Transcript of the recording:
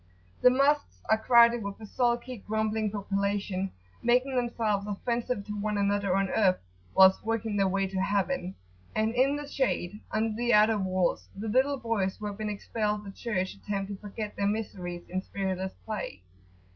The Mosques are crowded with a sulky, grumbling population, making themselves offensive to one another on earth whilst working their way to heaven; and in the shade, under the outer walls, the little boys who have been expelled the church attempt to forget their miseries in spiritless play.